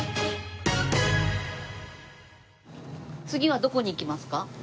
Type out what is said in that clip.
次はどこに行きますか？